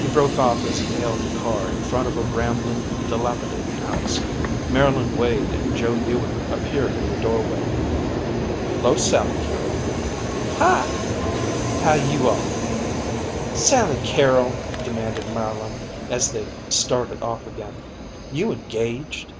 He broke off as he halted the car in front of a rambling, dilapidated house. Marylyn Wade and Joe Ewing appeared in the doorway. "'Lo Sally Carrol." "Hi!" "How you all?" "Sally Carrol," demanded Marylyn as they started of again, "you engaged?"